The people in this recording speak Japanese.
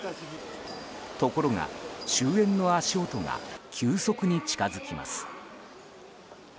ところが、終焉の足音が急速に近づきます。